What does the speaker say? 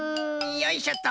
よいしょっと。